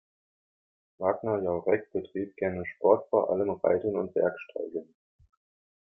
Wagner-Jauregg betrieb gerne Sport, vor allem Reiten und Bergsteigen.